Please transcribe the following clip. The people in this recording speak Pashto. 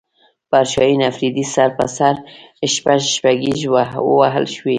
پر شاهین افریدي سر په سر شپږ شپږیزې ووهل شوې